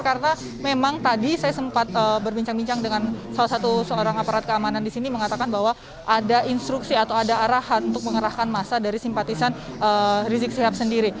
karena memang tadi saya sempat berbincang bincang dengan salah satu seorang aparat keamanan di sini mengatakan bahwa ada instruksi atau ada arahan untuk mengerahkan masa dari simpatisan rizik sihab sendiri